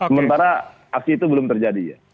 sementara aksi itu belum terjadi ya